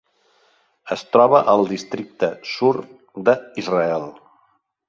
Es troba al districte del Sud d'Israel.